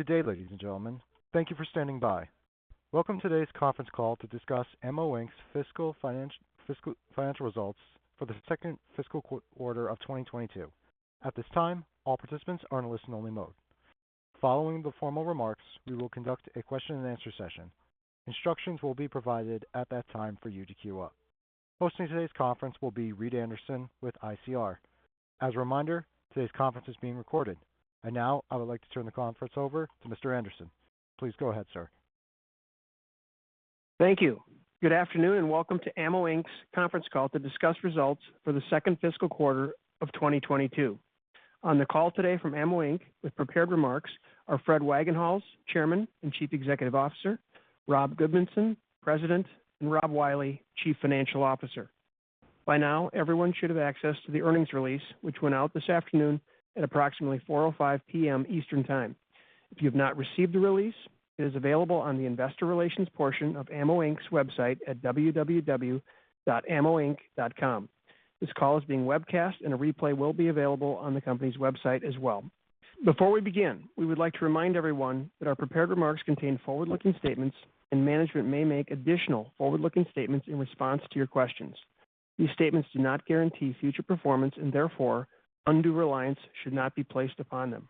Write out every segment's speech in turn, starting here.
Good day, ladies and gentlemen. Thank you for standing by. Welcome to today's conference call to discuss AMMO, Inc.'s financial results for the second fiscal quarter of 2022. At this time, all participants are in a listen-only mode. Following the formal remarks, we will conduct a question-and-answer session. Instructions will be provided at that time for you to queue up. Hosting today's conference will be Reed Anderson with ICR. As a reminder, today's conference is being recorded. Now I would like to turn the conference over to Mr. Anderson. Please go ahead, sir. Thank you. Good afternoon, and welcome to AMMO, Inc.'s conference call to discuss results for the second fiscal quarter of 2022. On the call today from AMMO, Inc. with prepared remarks are Fred Wagenhals, Chairman and Chief Executive Officer, Rob Goodmanson, President, and Robert Wiley, Chief Financial Officer. By now, everyone should have access to the earnings release, which went out this afternoon at approximately 4:05 P.M. Eastern Time. If you have not received the release, it is available on the investor relations portion of AMMO, Inc.'s website at www.ammoinc.com. This call is being webcast, and a replay will be available on the company's website as well. Before we begin, we would like to remind everyone that our prepared remarks contain forward-looking statements, and management may make additional forward-looking statements in response to your questions. These statements do not guarantee future performance, and therefore undue reliance should not be placed upon them.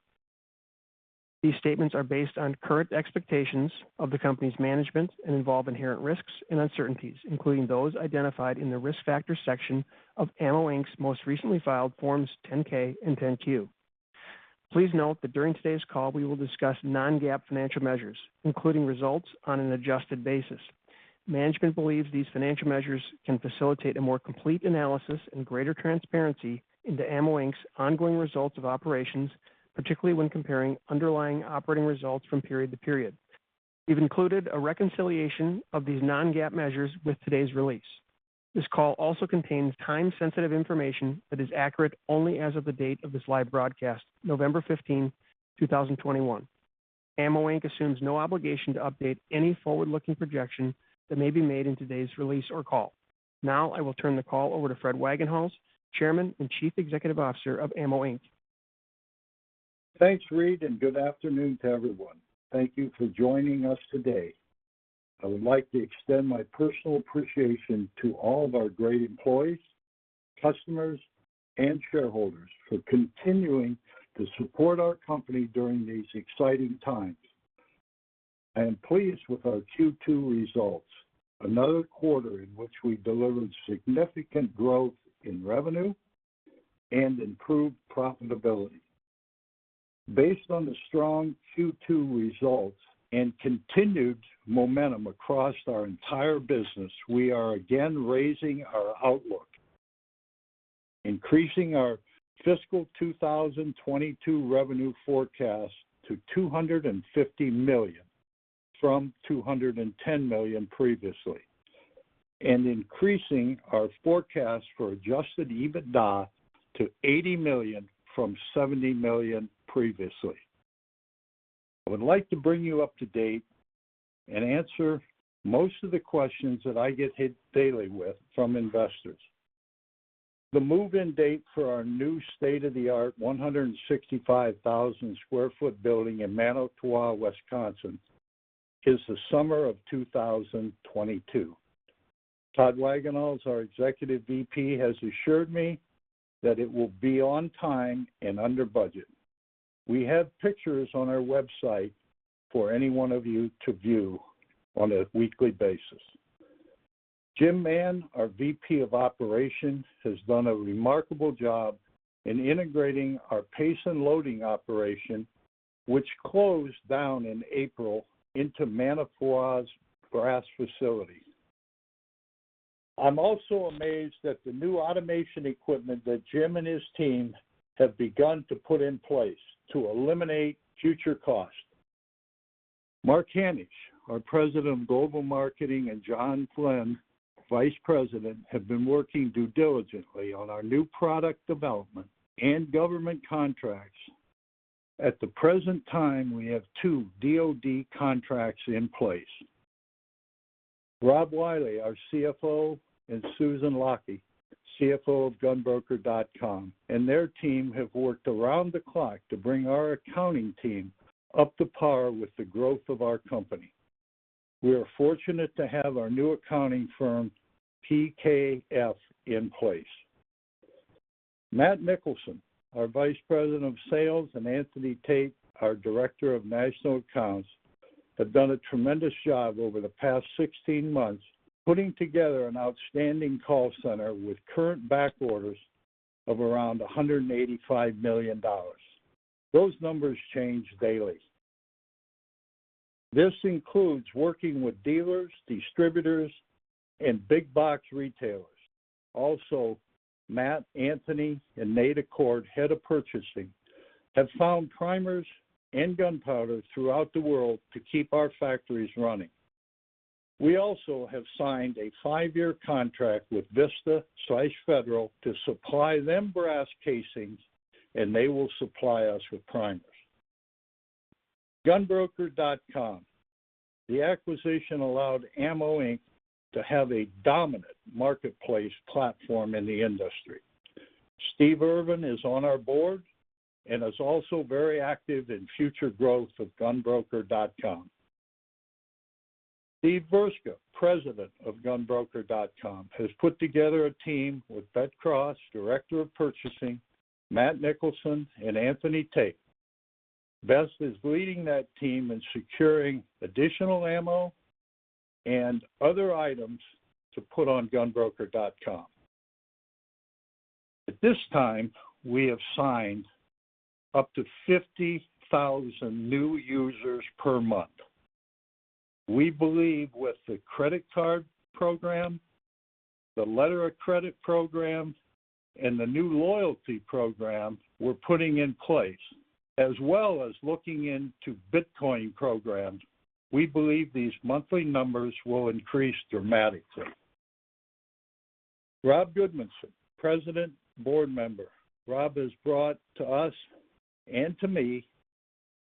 These statements are based on current expectations of the company's management and involve inherent risks and uncertainties, including those identified in the Risk Factors section of AMMO, Inc.'s most recently filed Forms 10-K and 10-Q. Please note that during today's call, we will discuss non-GAAP financial measures, including results on an adjusted basis. Management believes these financial measures can facilitate a more complete analysis and greater transparency into AMMO, Inc.'s ongoing results of operations, particularly when comparing underlying operating results from period to period. We've included a reconciliation of these non-GAAP measures with today's release. This call also contains time-sensitive information that is accurate only as of the date of this live broadcast, November 15th, 2021. AMMO, Inc. assumes no obligation to update any forward-looking projection that may be made in today's release or call. Now I will turn the call over to Fred Wagenhals, Chairman and Chief Executive Officer of AMMO, Inc. Thanks, Reed, and good afternoon to everyone. Thank you for joining us today. I would like to extend my personal appreciation to all of our great employees, customers, and shareholders for continuing to support our company during these exciting times. I am pleased with our Q2 results, another quarter in which we delivered significant growth in revenue and improved profitability. Based on the strong Q2 results and continued momentum across our entire business, we are again raising our outlook, increasing our fiscal 2022 revenue forecast to $250 million from $210 million previously, and increasing our forecast for adjusted EBITDA to $80 million from $70 million previously. I would like to bring you up to date and answer most of the questions that I get hit daily with from investors. The move-in date for our new state-of-the-art 165,000 sq ft building in Manitowoc, Wisconsin, is the summer of 2022. Tod Wagenhals, our Executive VP, has assured me that it will be on time and under budget. We have pictures on our website for any one of you to view on a weekly basis. Jim Mann, our VP of Operations, has done a remarkable job in integrating our case and loading operation, which closed down in April into Manitowoc's brass facility. I'm also amazed at the new automation equipment that Jim and his team have begun to put in place to eliminate future costs. Mark Hanish, our President of Global Marketing, and John Flynn, Vice President, have been working diligently on our new product development and government contracts. At the present time, we have 2 DoD contracts in place. Rob Wiley, our CFO, and Susan Lokey, CFO of GunBroker.com, and their team have worked around the clock to bring our accounting team up to par with the growth of our company. We are fortunate to have our new accounting firm, PKF, in place. Matt Nickelson, our Vice President of Sales, and Anthony Tate, our Director of National Accounts, have done a tremendous job over the past 16 months, putting together an outstanding call center with current backorders of around $185 million. Those numbers change daily. This includes working with dealers, distributors, and big box retailers. Matt, Anthony, and Nate Acord, Head of Purchasing, have found primers and gunpowder throughout the world to keep our factories running. We also have signed a five-year contract with Vista/Federal to supply them brass casings, and they will supply us with primers. GunBroker.com. The acquisition allowed AMMO, Inc. to have a dominant marketplace platform in the industry. Steve Urvan is on our board and is also very active in future growth of GunBroker.com. Steven F. Urvan, President of GunBroker.com, has put together a team with Beth Cross, Director of Purchasing, Matt Nickelson, and Anthony Tate. Beth is leading that team in securing additional ammo and other items to put on GunBroker.com. At this time, we have signed up to 50,000 new users per month. We believe with the credit card program, the letter of credit program, and the new loyalty program we're putting in place, as well as looking into Bitcoin programs, we believe these monthly numbers will increase dramatically. Rob Goodmanson, President, Board Member. Rob has brought to us and to me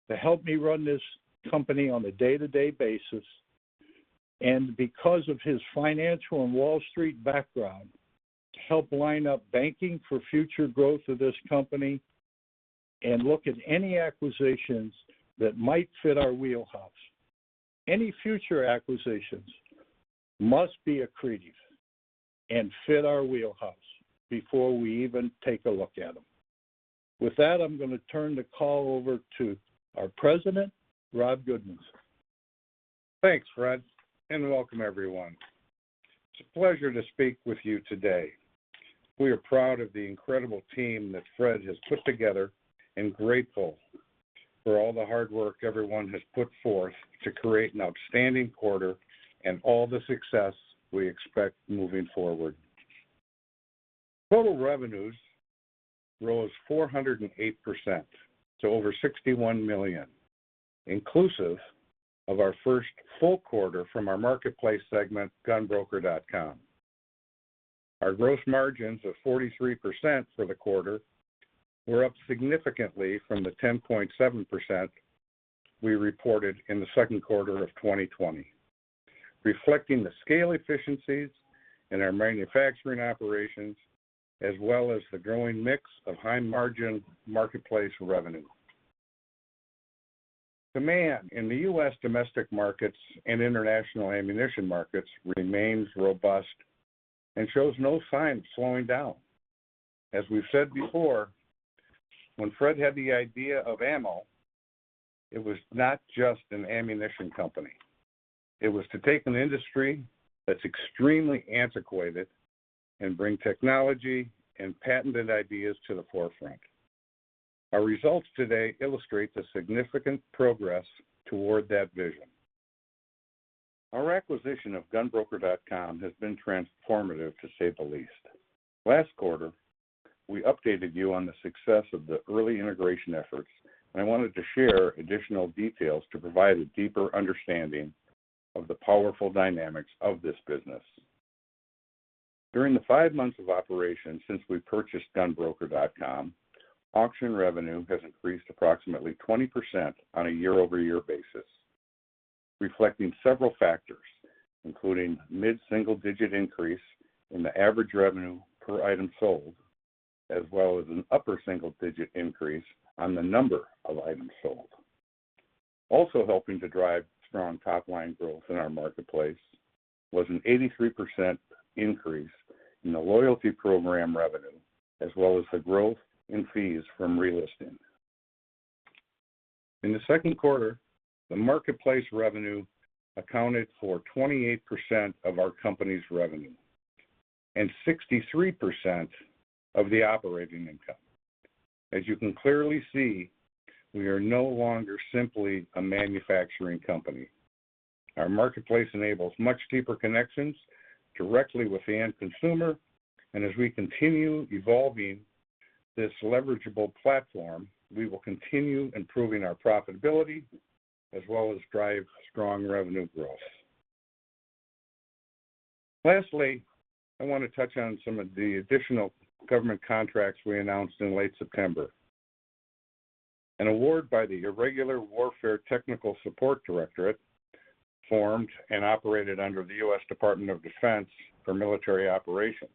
to help me run this company on a day-to-day basis, and because of his financial and Wall Street background, to help line up banking for future growth of this company and look at any acquisitions that might fit our wheelhouse. Any future acquisitions must be accretive and fit our wheelhouse before we even take a look at them. With that, I'm going to turn the call over to our President, Rob Goodmanson. Thanks, Fred, and welcome everyone. It's a pleasure to speak with you today. We are proud of the incredible team that Fred has put together and grateful for all the hard work everyone has put forth to create an outstanding quarter and all the success we expect moving forward. Total revenues rose 408% to over $61 million, inclusive of our first full quarter from our marketplace segment, GunBroker.com. Our gross margins of 43% for the quarter were up significantly from the 10.7% we reported in the second quarter of 2020, reflecting the scale efficiencies in our manufacturing operations as well as the growing mix of high-margin marketplace revenue. Demand in the U.S. domestic markets and international ammunition markets remains robust and shows no sign of slowing down. As we've said before, when Fred had the idea of AMMO, it was not just an ammunition company. It was to take an industry that's extremely antiquated and bring technology and patented ideas to the forefront. Our results today illustrate the significant progress toward that vision. Our acquisition of GunBroker.com has been transformative, to say the least. Last quarter, we updated you on the success of the early integration efforts, and I wanted to share additional details to provide a deeper understanding of the powerful dynamics of this business. During the five months of operation since we purchased GunBroker.com, auction revenue has increased approximately 20% on a year-over-year basis, reflecting several factors, including mid-single-digit increase in the average revenue per item sold, as well as an upper single-digit increase on the number of items sold. Helping to drive strong top-line growth in our marketplace was an 83% increase in the loyalty program revenue, as well as the growth in fees from relisting. In the second quarter, the marketplace revenue accounted for 28% of our company's revenue and 63% of the operating income. As you can clearly see, we are no longer simply a manufacturing company. Our marketplace enables much deeper connections directly with the end consumer, and as we continue evolving this leverageable platform, we will continue improving our profitability as well as drive strong revenue growth. Lastly, I want to touch on some of the additional government contracts we announced in late September. An award by the Irregular Warfare Technical Support Directorate formed and operated under the U.S. Department of Defense for military operations.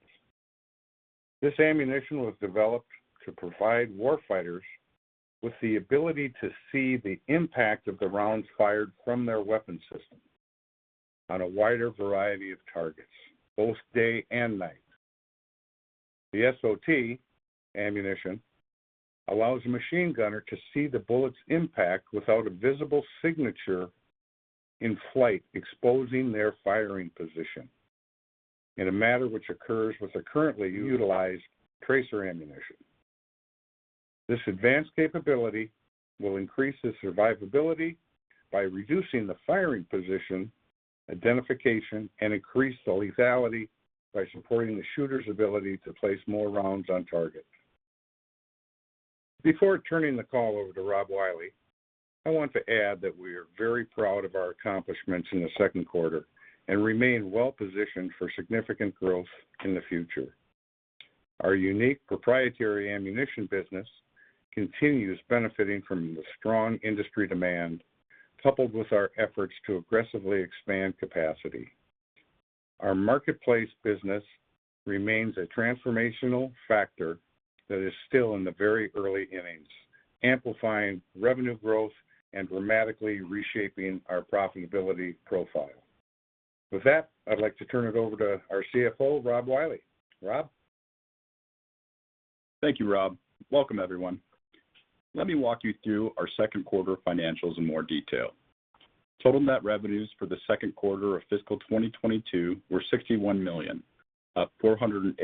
This ammunition was developed to provide warfighters with the ability to see the impact of the rounds fired from their weapon system on a wider variety of targets, both day and night. The SOT ammunition allows a machine gunner to see the bullet's impact without a visible signature in flight exposing their firing position in a matter which occurs with the currently utilized tracer ammunition. This advanced capability will increase the survivability by reducing the firing position identification and increase the lethality by supporting the shooter's ability to place more rounds on target. Before turning the call over to Robert Wiley, I want to add that we are very proud of our accomplishments in the second quarter and remain well-positioned for significant growth in the future. Our unique proprietary ammunition business continues benefiting from the strong industry demand, coupled with our efforts to aggressively expand capacity. Our marketplace business remains a transformational factor that is still in the very early innings, amplifying revenue growth and dramatically reshaping our profitability profile. With that, I'd like to turn it over to our CFO, Robert Wiley. Rob? Thank you, Rob. Welcome, everyone. Let me walk you through our second quarter financials in more detail. Total net revenues for the second quarter of fiscal 2022 were $61 million, up 408%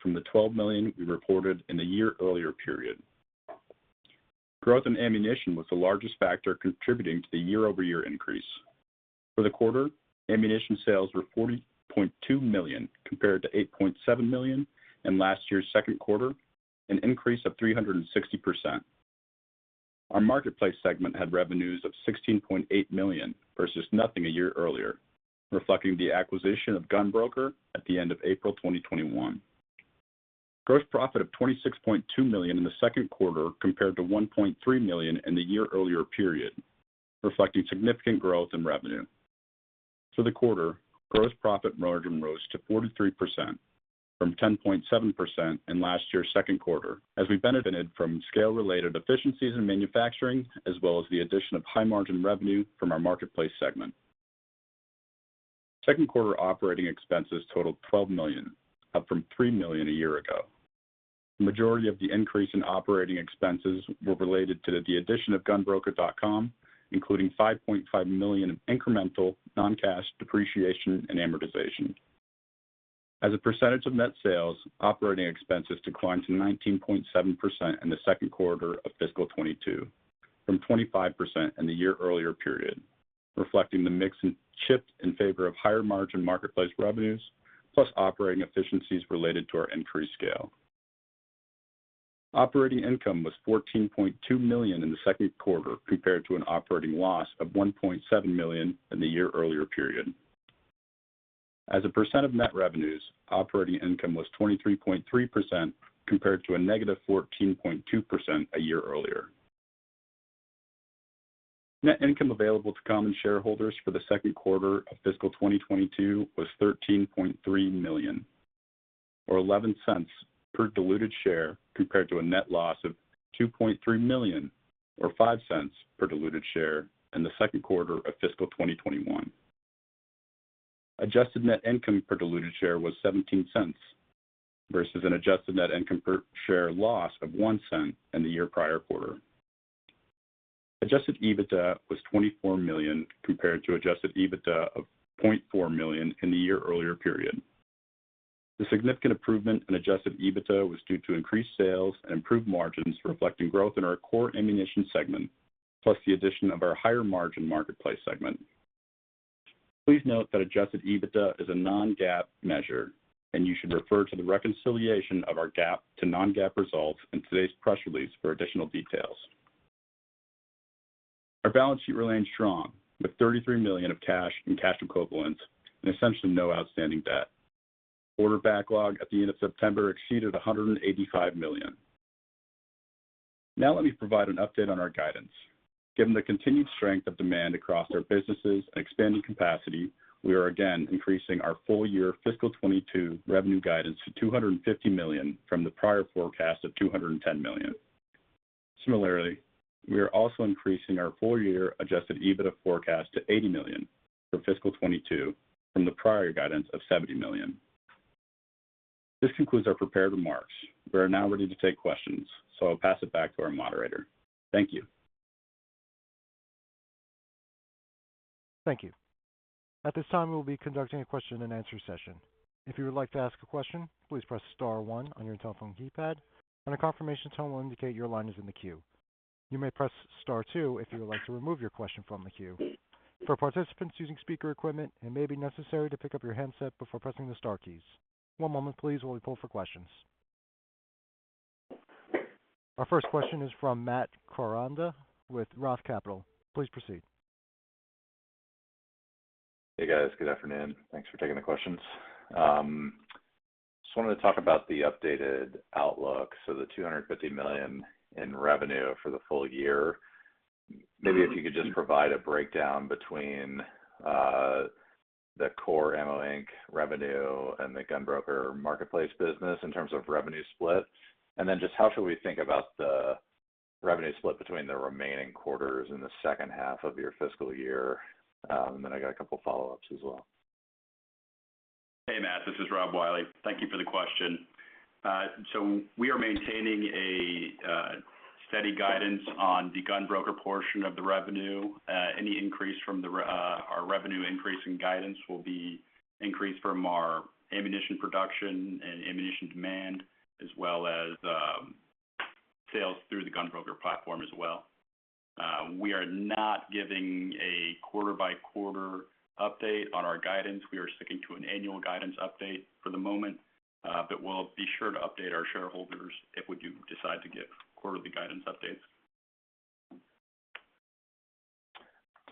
from the $12 million we reported in the year earlier period. Growth in ammunition was the largest factor contributing to the year-over-year increase. For the quarter, ammunition sales were $40.2 million, compared to $8.7 million in last year's second quarter, an increase of 360%. Our marketplace segment had revenues of $16.8 million versus nothing a year earlier, reflecting the acquisition of GunBroker at the end of April 2021. Gross profit of $26.2 million in the second quarter compared to $1.3 million in the year earlier period, reflecting significant growth in revenue. For the quarter, gross profit margin rose to 43% from 10.7% in last year's second quarter, as we benefited from scale-related efficiencies in manufacturing, as well as the addition of high-margin revenue from our marketplace segment. Second quarter operating expenses totaled $12 million, up from $3 million a year ago. The majority of the increase in operating expenses were related to the addition of GunBroker.com, including $5.5 million in incremental non-cash depreciation and amortization. As a percentage of net sales, operating expenses declined to 19.7% in the second quarter of fiscal 2022, from 25% in the year earlier period, reflecting the mix and shift in favor of higher margin marketplace revenues, plus operating efficiencies related to our increased scale. Operating income was $14.2 million in the second quarter, compared to an operating loss of $1.7 million in the year earlier period. As a percent of net revenues, operating income was 23.3% compared to a negative 14.2% a year earlier. Net income available to common shareholders for the second quarter of fiscal 2022 was $13.3 million or $0.11 per diluted share compared to a net loss of $2.3 million or $0.05 per diluted share in the second quarter of fiscal 2021. Adjusted net income per diluted share was $0.17 versus an adjusted net loss of $0.01 per share in the year prior quarter. Adjusted EBITDA was $24 million compared to adjusted EBITDA of $0.4 million in the year earlier period. The significant improvement in adjusted EBITDA was due to increased sales and improved margins reflecting growth in our core ammunition segment, plus the addition of our higher margin marketplace segment. Please note that adjusted EBITDA is a non-GAAP measure, and you should refer to the reconciliation of our GAAP to non-GAAP results in today's press release for additional details. Our balance sheet remains strong, with $33 million of cash and cash equivalents and essentially no outstanding debt. Order backlog at the end of September exceeded $185 million. Now let me provide an update on our guidance. Given the continued strength of demand across our businesses and expanding capacity, we are again increasing our full-year fiscal 2022 revenue guidance to $250 million from the prior forecast of $210 million. Similarly, we are also increasing our full-year adjusted EBITDA forecast to $80 million for fiscal 2022 from the prior guidance of $70 million. This concludes our prepared remarks. We are now ready to take questions, so I'll pass it back to our moderator. Thank you. Thank you. At this time, we will be conducting a question-and-answer session. If you would like to ask a question, please press star one on your telephone keypad, and a confirmation tone will indicate your line is in the queue. You may press star two if you would like to remove your question from the queue. For participants using speaker equipment, it may be necessary to pick up your handset before pressing the star keys. One moment please while we poll for questions. Our first question is from Matt Koranda with Roth Capital. Please proceed. Hey, guys. Good afternoon. Thanks for taking the questions. Just wanted to talk about the updated outlook. The $250 million in revenue for the full year. Maybe if you could just provide a breakdown between the core AMMO, Inc. revenue and the GunBroker.com marketplace business in terms of revenue split. Then just how should we think about the revenue split between the remaining quarters in the second half of your fiscal year? I got a couple of follow-ups as well. Hey, Matt. This is Robert Wiley. Thank you for the question. We are maintaining a steady guidance on the GunBroker.com portion of the revenue. Any increase from our revenue increase in guidance will be increased from our ammunition production and ammunition demand as well as sales through the GunBroker.com platform as well. We are not giving a quarter-by-quarter update on our guidance. We are sticking to an annual guidance update for the moment, but we'll be sure to update our shareholders if we do decide to give quarterly guidance updates.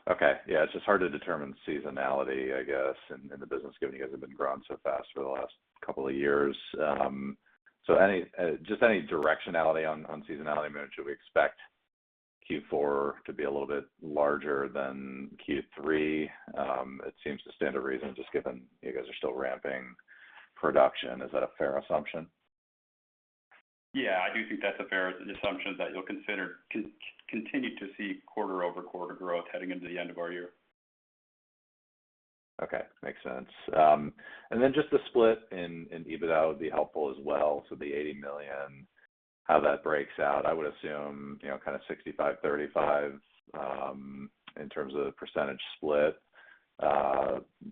Okay. Yeah, it's just hard to determine seasonality, I guess, and the business given you guys have been growing so fast for the last couple of years. Any directionality on seasonality. I mean, should we expect Q4 to be a little bit larger than Q3? It seems to stand to reason just given you guys are still ramping production. Is that a fair assumption? Yeah. I do think that's a fair assumption, that you'll continue to see quarter-over-quarter growth heading into the end of our year. Okay. Makes sense. Just the split in EBITDA would be helpful as well. The $80 million, how that breaks out. I would assume kind of 65%-35% in terms of the percentage split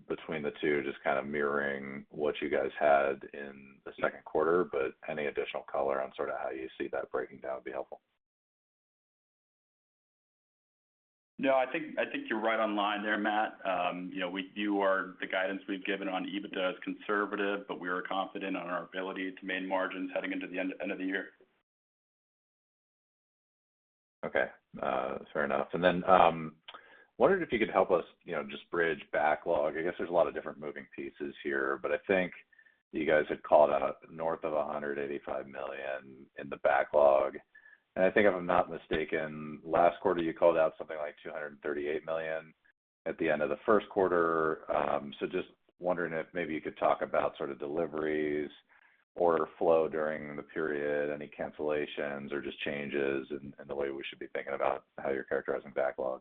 between the two, just kind of mirroring what you guys had in the second quarter, but any additional color on sort of how you see that breaking down would be helpful. No, I think you're right on line there, Matt. You know, the guidance we've given on EBITDA is conservative, but we are confident on our ability to maintain margins heading into the end of the year. Okay. Fair enough. Wondered if you could help us, you know, just bridge backlog. I guess there's a lot of different moving pieces here, but I think you guys had called out north of $185 million in the backlog. I think, if I'm not mistaken, last quarter, you called out something like $238 million at the end of the first quarter. Just wondering if maybe you could talk about sort of deliveries, order flow during the period, any cancellations or just changes in the way we should be thinking about how you're characterizing backlog.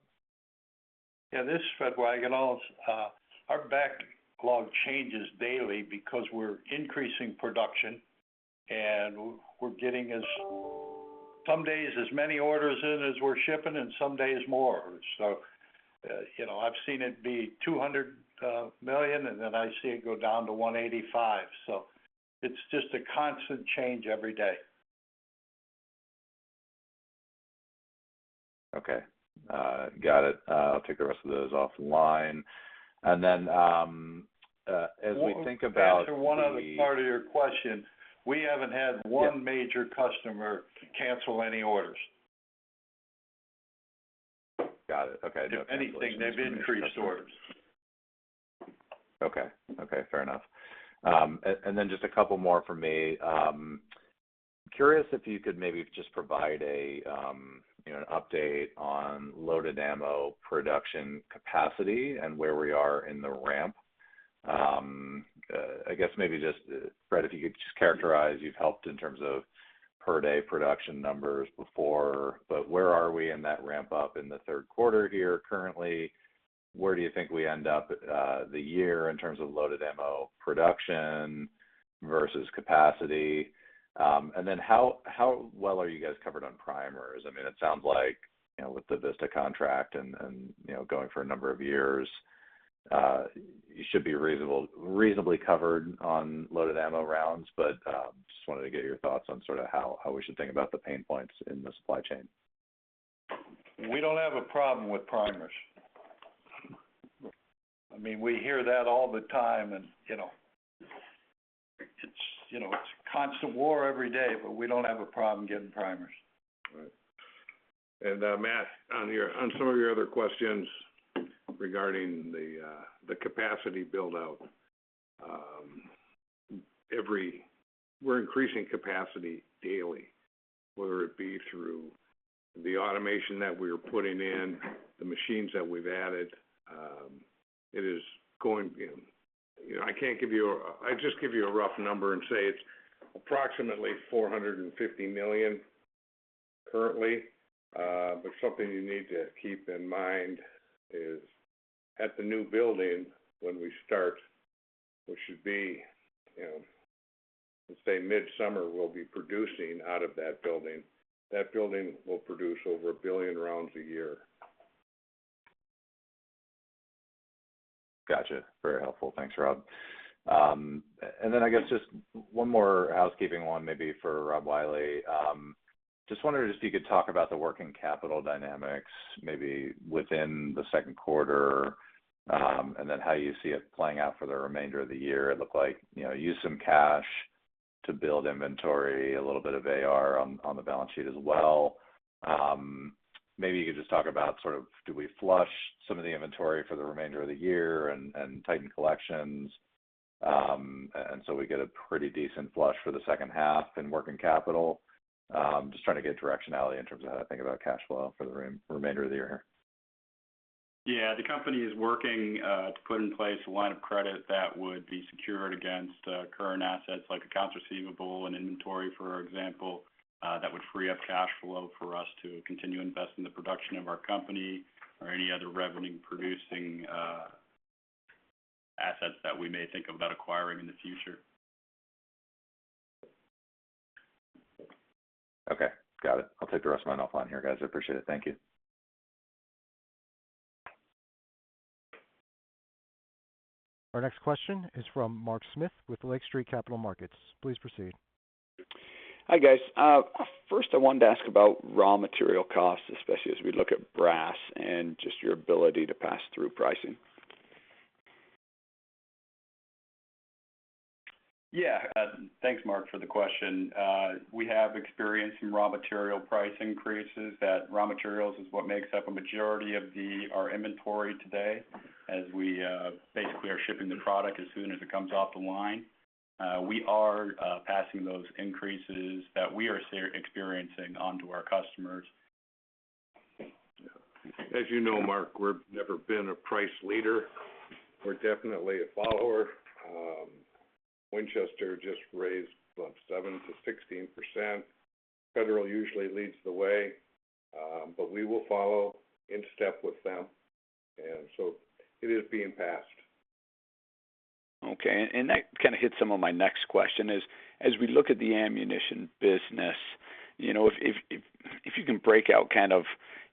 Yeah. This is Fred Wagenhals. Our backlog changes daily because we're increasing production, and we're getting some days as many orders in as we're shipping, and some days more. You know, I've seen it be $200 million, and then I see it go down to $185 million. It's just a constant change every day. Okay. Got it. I'll take the rest of those offline, as we think about the- Back to one other part of your question. We haven't had one major customer cancel any orders. Got it. Okay. If anything, they've increased orders. Okay. Fair enough. And then just a couple more from me. Curious if you could maybe just provide, you know, an update on loaded ammo production capacity and where we are in the ramp. I guess maybe just, Fred, if you could just characterize, you've held in terms of per day production numbers before, but where are we in that ramp up in the third quarter here currently. Where do you think we end up the year in terms of loaded ammo production versus capacity. And then how well are you guys covered on primers. I mean, it sounds like, you know, with the Vista contract and, you know, going for a number of years, you should be reasonably covered on loaded ammo rounds. Just wanted to get your thoughts on sort of how we should think about the pain points in the supply chain. We don't have a problem with primers. I mean, we hear that all the time and, you know, it's constant war every day, but we don't have a problem getting primers. All right. Matt, on some of your other questions regarding the capacity build-out. We're increasing capacity daily, whether it be through the automation that we are putting in, the machines that we've added. You know, I can't give you a—I'll just give you a rough number and say it's approximately 450 million currently. But something you need to keep in mind is at the new building, when we start, which should be, you know, let's say mid-summer, we'll be producing out of that building. That building will produce over 1 billion rounds a year. Gotcha. Very helpful. Thanks, Rob. And then I guess just one more housekeeping one maybe for Robert Wiley. Just wondering if you could talk about the working capital dynamics, maybe within the second quarter, and then how you see it playing out for the remainder of the year. It looked like, you know, use some cash to build inventory, a little bit of AR on the balance sheet as well. Maybe you could just talk about sort of do we flush some of the inventory for the remainder of the year and tighten collections, and so we get a pretty decent flush for the second half in working capital. Just trying to get directionality in terms of how to think about cash flow for the remainder of the year. Yeah. The company is working to put in place a line of credit that would be secured against current assets like accounts receivable and inventory, for example, that would free up cash flow for us to continue investing in the production of our company or any other revenue-producing assets that we may think about acquiring in the future. Okay. Got it. I'll take the rest of mine offline here, guys. I appreciate it. Thank you. Our next question is from Mark Smith with Lake Street Capital Markets. Please proceed. Hi, guys. First I wanted to ask about raw material costs, especially as we look at brass and just your ability to pass through pricing. Yeah. Thanks, Mark, for the question. We have experienced some raw material price increases. That raw materials is what makes up a majority of our inventory today, as we basically are shipping the product as soon as it comes off the line. We are passing those increases that we are experiencing on to our customers. As you know, Mark, we've never been a price leader. We're definitely a follower. Winchester just raised from 7%-16%. Federal usually leads the way, but we will follow in step with them. It is being passed. Okay. That kinda hits some of my next question is, as we look at the ammunition business, you know, if you can break out kind of,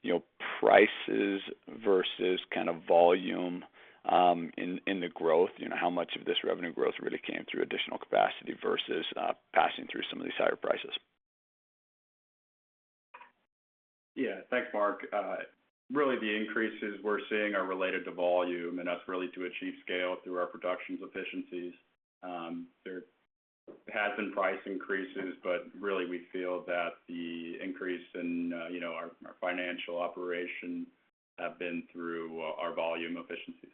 you know, prices versus kind of volume, in the growth. You know, how much of this revenue growth really came through additional capacity versus, passing through some of these higher prices? Yeah. Thanks, Mark. Really the increases we're seeing are related to volume, and that's really to achieve scale through our production efficiencies. There has been price increases, but really we feel that the increase in, you know, our financial operation have been through our volume efficiencies.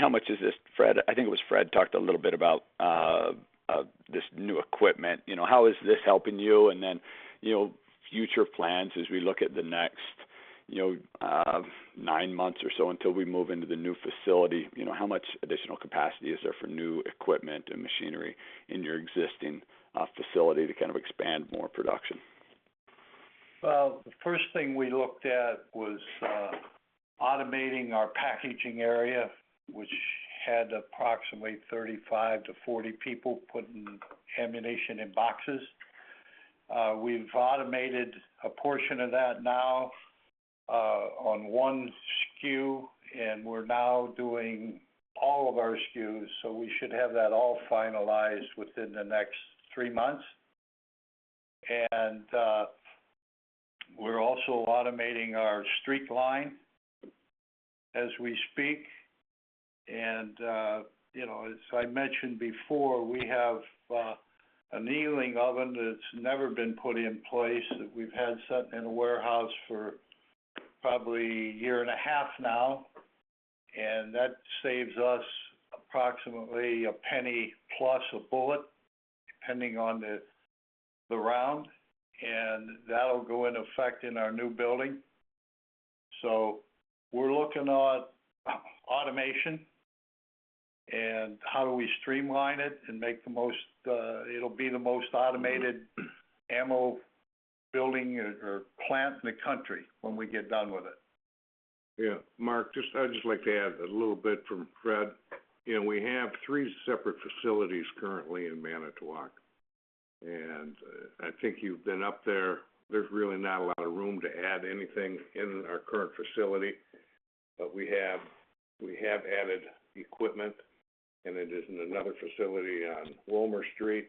How much is this, Fred? I think it was Fred talked a little bit about this new equipment. You know, how is this helping you? You know, future plans as we look at the next nine months or so until we move into the new facility. You know, how much additional capacity is there for new equipment and machinery in your existing facility to kind of expand more production? Well, the first thing we looked at was automating our packaging area, which had approximately 35-40 people putting ammunition in boxes. We've automated a portion of that now on one SKU, and we're now doing all of our SKUs. We should have that all finalized within the next three months. We're also automating our Streak line as we speak. You know, as I mentioned before, we have an annealing oven that's never been put in place, that we've had sitting in a warehouse for probably a year and a half now. That saves us approximately a penny plus a bullet, depending on the round, and that'll go in effect in our new building. We're looking at automation and how do we streamline it and make the most. It'll be the most automated ammo building or plant in the country when we get done with it. Yeah. Mark, I'd like to add a little bit from Fred. You know, we have three separate facilities currently in Manitowoc, and I think you've been up there. There's really not a lot of room to add anything in our current facility. We have added equipment, and it is in another facility on Woolmer Street.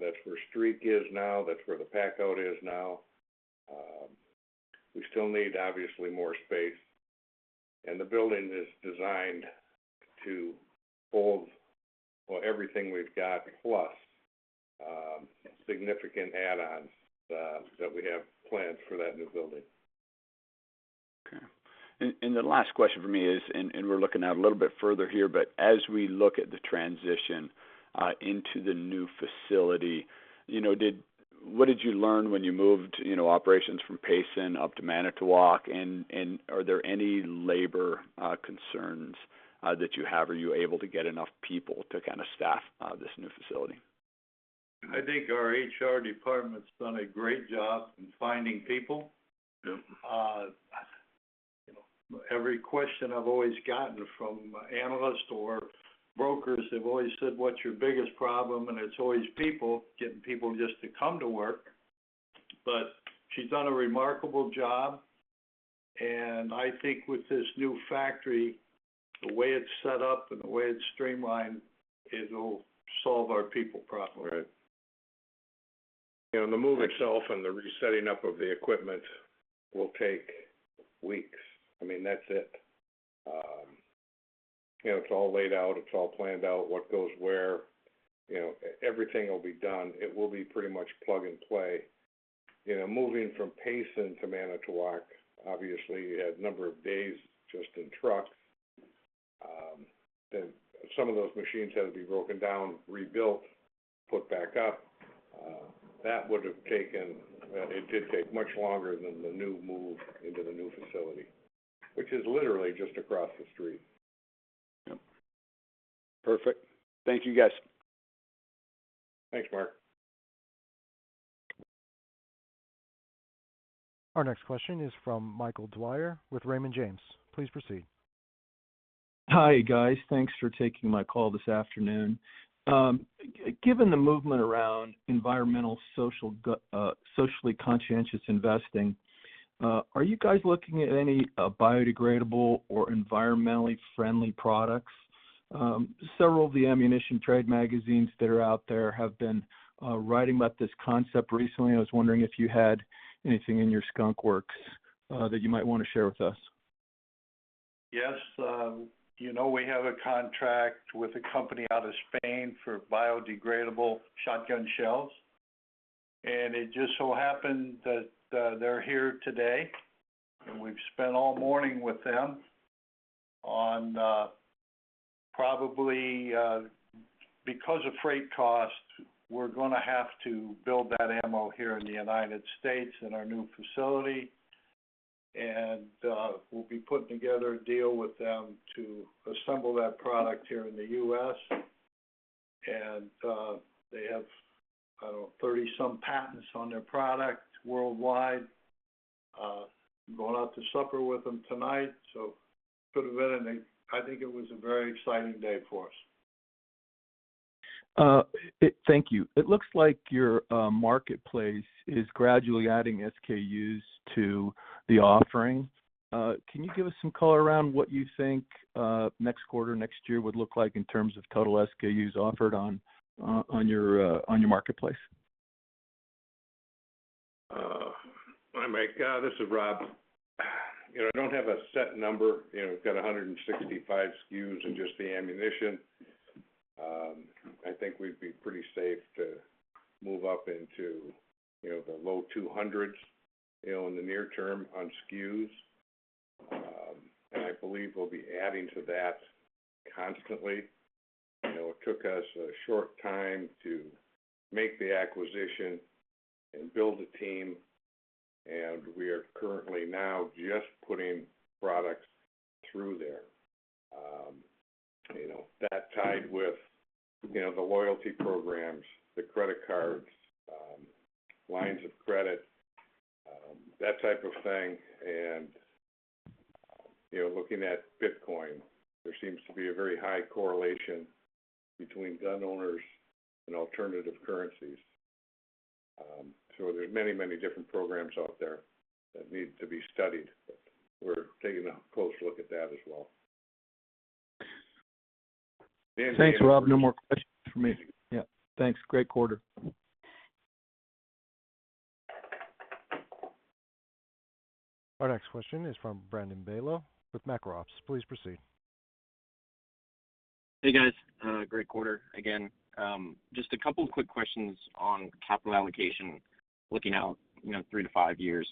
That's where Streak is now. That's where the pack-out is now. We still need obviously more space, and the building is designed to hold, well, everything we've got, plus significant add-ons that we have planned for that new building. Okay. The last question from me is, we're looking out a little bit further here, but as we look at the transition into the new facility, you know, what did you learn when you moved, you know, operations from Payson up to Manitowoc? Are there any labor concerns that you have? Are you able to get enough people to kind of staff this new facility? I think our HR department's done a great job in finding people. Yep. You know, every question I've always gotten from analysts or brokers, they've always said, "What's your biggest problem?" It's always people, getting people just to come to work. She's done a remarkable job, and I think with this new factory, the way it's set up and the way it's streamlined, it'll solve our people problem. Right. You know, the move itself and the resetting up of the equipment will take weeks. I mean, that's it. You know, it's all laid out. It's all planned out, what goes where. You know, everything will be done. It will be pretty much plug and play. You know, moving from Payson to Manitowoc, obviously you had a number of days just in trucking. Then some of those machines had to be broken down, rebuilt, put back up. That would have taken, it did take much longer than the new move into the new facility, which is literally just across the street. Yep. Perfect. Thank you, guys. Thanks, Mark. Our next question is from Michael Dwyer with Raymond James. Please proceed. Hi, guys. Thanks for taking my call this afternoon. Given the movement around environmental social, socially conscious investing, are you guys looking at any biodegradable or environmentally friendly products? Several of the ammunition trade magazines that are out there have been writing about this concept recently. I was wondering if you had anything in yo ur skunk works that you might want to share with us. Yes. You know, we have a contract with a company out of Spain for biodegradable shotgun shells. It just so happened that they're here today, and we've spent all morning with them on probably because of freight costs, we're gonna have to build that ammo here in the United States in our new facility. We'll be putting together a deal with them to assemble that product here in the U.S. They have, I don't know, 30-some patents on their product worldwide. I'm going out to supper with them tonight, so could have been anything. I think it was a very exciting day for us. Thank you. It looks like your marketplace is gradually adding SKUs to the offering. Can you give us some color around what you think next quarter, next year would look like in terms of total SKUs offered on your marketplace? Mike, this is Rob. You know, I don't have a set number. You know, we've got 165 SKUs in just the ammunition. I think we'd be pretty safe to move up into, you know, the low 200s, you know, in the near term on SKUs. I believe we'll be adding to that constantly. You know, it took us a short time to make the acquisition and build a team, and we are currently now just putting products through there. You know, that tied with, you know, the loyalty programs, the credit cards, lines of credit, that type of thing. You know, looking at Bitcoin, there seems to be a very high correlation between gun owners and alternative currencies. So there's many, many different programs out there that need to be studied. We're taking a close look at that as well. Thanks, Rob. No more questions for me. Yeah, thanks. Great quarter. Our next question is from Brandon Beylo with Macro Ops. Please proceed. Hey, guys. Great quarter again. Just a couple of quick questions on capital allocation. Looking out, you know, three to five years,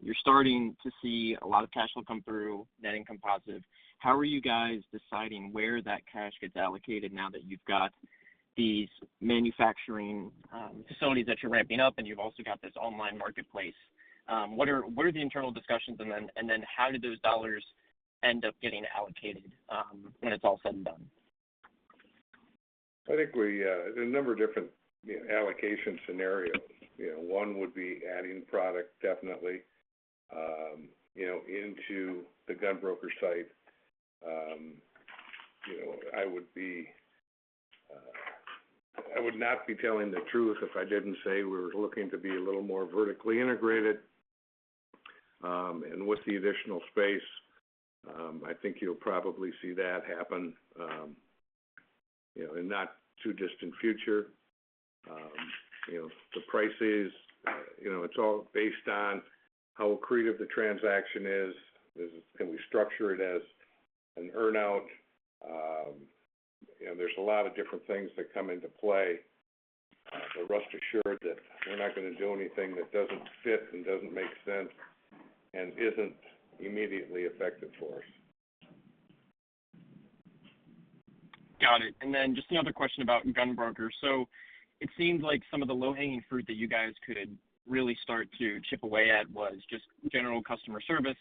you're starting to see a lot of cash flow come through, net income positive. How are you guys deciding where that cash gets allocated now that you've got these manufacturing facilities that you're ramping up and you've also got this online marketplace? What are the internal discussions? And then how do those dollars end up getting allocated when it's all said and done? I think we, there's a number of different, you know, allocation scenarios. You know, one would be adding product definitely, you know, into the GunBroker.com site. You know, I would not be telling the truth if I didn't say we were looking to be a little more vertically integrated. With the additional space, I think you'll probably see that happen, you know, in not too distant future. You know, the prices, you know, it's all based on how accretive the transaction is. Can we structure it as an earn-out? You know, there's a lot of different things that come into play. Rest assured that we're not gonna do anything that doesn't fit and doesn't make sense and isn't immediately effective for us. Got it. Then just the other question about GunBroker. It seems like some of the low-hanging fruit that you guys could really start to chip away at was just general customer service,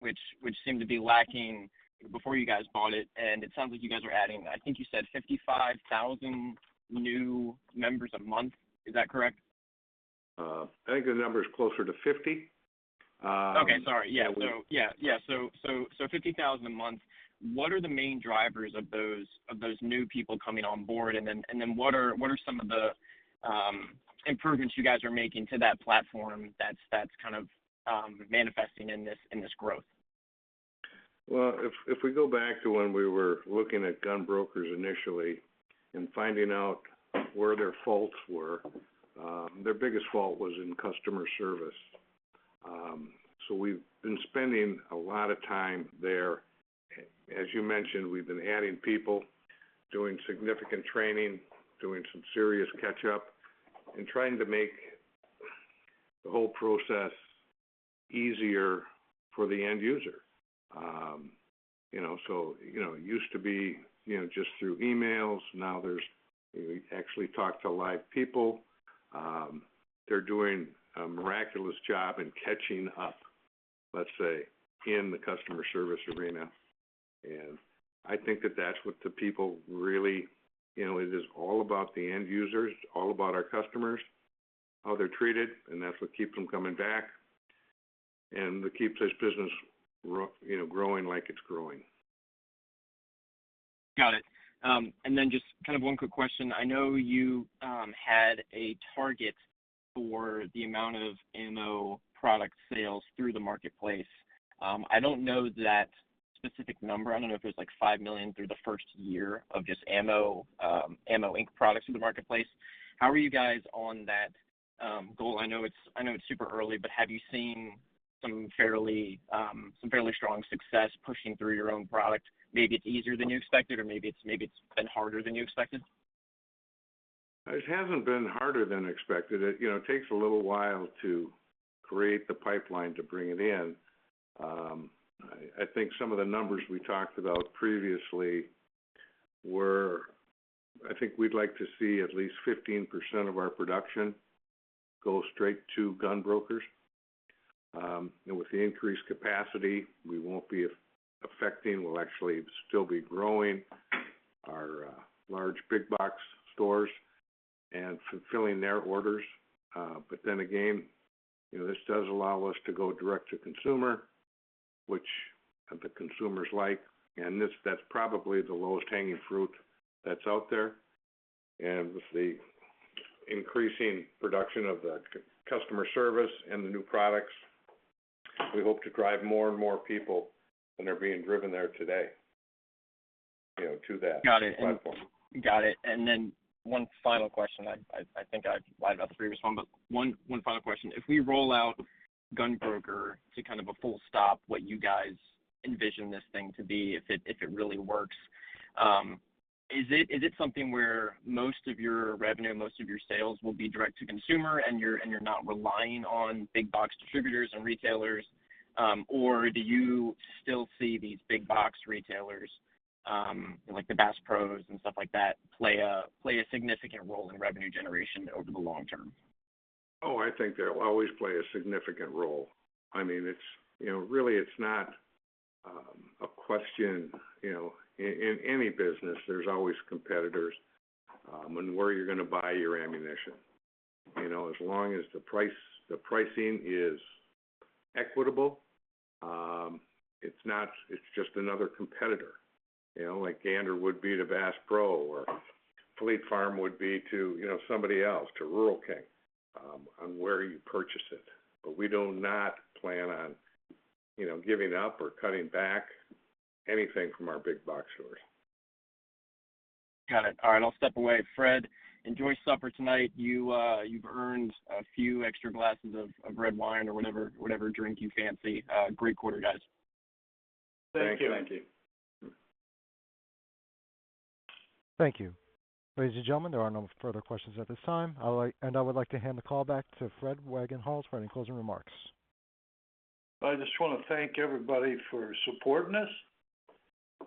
which seemed to be lacking before you guys bought it. It sounds like you guys are adding, I think you said 55,000 new members a month. Is that correct? I think the number is closer to 50. Okay, sorry. Yeah. 50,000 a month. What are the main drivers of those new people coming on board? Then, what are some of the improvements you guys are making to that platform that's kind of manifesting in this growth? Well, if we go back to when we were looking at GunBroker.com initially and finding out where their faults were, their biggest fault was in customer service. We've been spending a lot of time there. As you mentioned, we've been adding people, doing significant training, doing some serious catch-up, and trying to make the whole process easier for the end user. You know, it used to be, you know, just through emails. Now we actually talk to live people. They're doing a miraculous job in catching up, let's say, in the customer service arena. I think that's what the people really want. You know, it is all about the end users, it's all about our customers, how they're treated, and that's what keeps them coming back and what keeps this business growing like it's growing. Got it. Just kind of one quick question. I know you had a target for the amount of ammo product sales through the marketplace. I don't know that specific number. I don't know if it was like $5 million through the first year of just AMMO, Inc. products in the marketplace. How are you guys on that goal? I know it's super early, but have you seen some fairly strong success pushing through your own product? Maybe it's easier than you expected, or maybe it's been harder than you expected. It hasn't been harder than expected. It you know takes a little while to create the pipeline to bring it in. I think some of the numbers we talked about previously. I think we'd like to see at least 15% of our production go straight to GunBroker.com. With the increased capacity we won't be affecting, we'll actually still be growing our large big box stores and fulfilling their orders. Again, you know, this does allow us to go direct to consumer, which the consumers like. This, that's probably the lowest hanging fruit that's out there. With the increasing production of the customer service and the new products, we hope to drive more and more people than are being driven there today, you know, to that platform. Got it. One final question. I think I've lied about the previous one, but one final question. If we roll out GunBroker.com to kind of a full stop, what you guys envision this thing to be, if it really works, is it something where most of your revenue, most of your sales will be direct to consumer and you're not relying on big box distributors and retailers, or do you still see these big box retailers like the Bass Pro Shops and stuff like that play a significant role in revenue generation over the long term? Oh, I think they'll always play a significant role. I mean, it's, you know, really, it's not a question. You know, in any business there's always competitors, and where you're gonna buy your ammunition. You know, as long as the price, the pricing is equitable, it's not. It's just another competitor, you know, like Gander would be to Bass Pro, or Fleet Farm would be to, you know, somebody else, to Rural King, on where you purchase it. We do not plan on, you know, giving up or cutting back anything from our big box stores. Got it. All right, I'll step away. Fred, enjoy supper tonight. You, you've earned a few extra glasses of red wine or whatever drink you fancy. Great quarter, guys. Thank you. Thanks. Thank you. Thank you. Ladies and gentlemen, there are no further questions at this time. I would like to hand the call back to Fred Wagenhals for any closing remarks. I just wanna thank everybody for supporting us,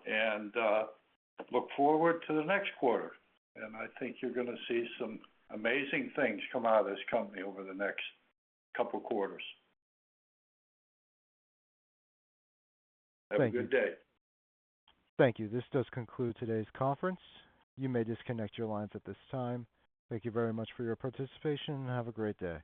and look forward to the next quarter. I think you're gonna see some amazing things come out of this company over the next couple quarters. Thank you. Have a good day. Thank you. This does conclude today's conference. You may disconnect your lines at this time. Thank you very much for your participation, and have a great day.